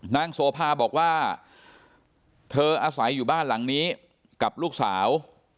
โสภาบอกว่าเธออาศัยอยู่บ้านหลังนี้กับลูกสาว